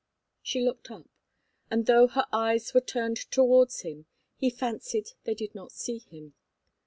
She looked up, and though her eyes were turned towards him, he fancied they did not see him.